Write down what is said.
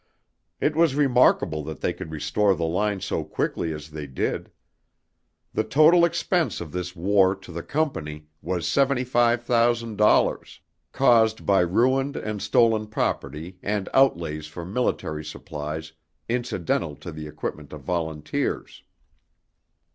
It was remarkable that they could restore the line so quickly as they did. The total expense of this war to the Company was $75,000, caused by ruined and stolen property and outlays for military supplies incidental to the equipment of volunteers.